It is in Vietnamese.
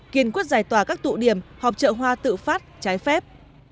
kiên quyết giải tỏa các tụ điểm họp chợ hoa tự phát trái phép